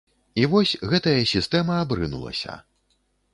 І вось, гэтая сістэма абрынулася.